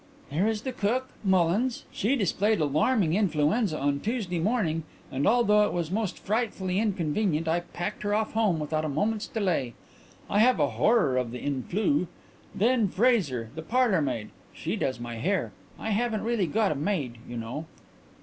"There is the cook, Mullins. She displayed alarming influenza on Tuesday morning, and although it was most frightfully inconvenient I packed her off home without a moment's delay. I have a horror of the influ. Then Fraser, the parlourmaid. She does my hair I haven't really got a maid, you know."